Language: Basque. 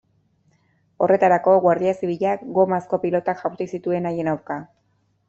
Horretarako, Guardia Zibilak gomazko pilotak jaurti zituen haien aurka.